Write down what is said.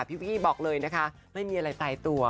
พี่กี้บอกเลยนะคะไม่มีอะไรตายตัว